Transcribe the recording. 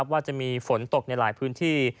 ว่าจะมีฝนตกในหลายพื้นที่